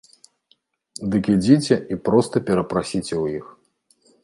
Дык ідзіце і проста перапрасіце ў іх.